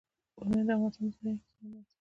بامیان د افغانستان د ځایي اقتصادونو بنسټ دی.